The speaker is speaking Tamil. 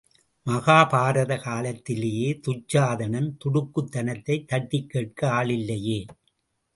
மகாபாரத காலத்திலேயே துச்சாதனன் துடுக்குத் தனத்தைத் தட்டிக் கேட்க ஆளில்லையே!